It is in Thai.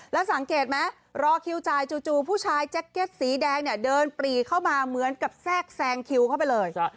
แล้วสังเกตไหมรอคิวจ่ายจู่ผู้ชายแจ็คเก็ตสีแดงเนี่ยเดินปรีเข้ามาเหมือนกับแทรกแซงคิวเข้าไปเลย